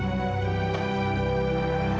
gobi aku mau ke rumah